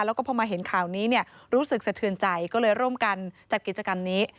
แล้วก็พอมาเห็นข่าวนี้เนี่ยรู้สึกสะเทือนใจก็เลยร่วมกันจัดกิจกรรมนี้